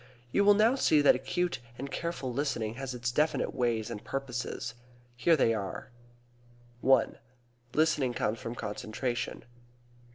You will now see that acute and careful listening has its definite ways and purposes. Here they are: I. Listening comes from concentration.